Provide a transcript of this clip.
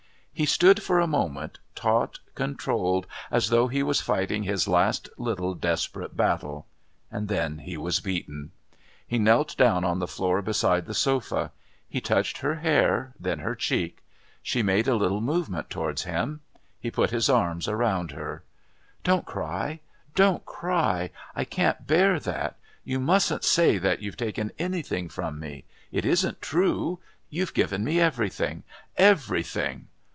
He stood for a moment, taut, controlled, as though he was fighting his last little desperate battle. Then he was beaten. He knelt down on the floor beside the sofa. He touched her hair, then her cheek. She made a little movement towards him. He put his arms around her. "Don't cry. Don't cry. I can't bear that. You mustn't say that you've taken anything from me. It isn't true. You've given me everything... everything.